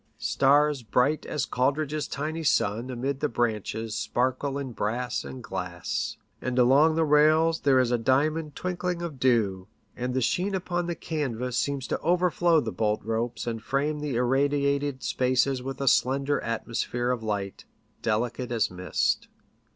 Stars bright as Coleridge's tiny sun amid the branches sparkle in brass and glass ; PICTUMES AT SEA. 65 and along the rails there is a diamond twinkling of dew, and the sheen upon the canvas seems to overflow the bolt ropes and frame the irradiated spaces with a slender atmosphere of light, delicate as mist.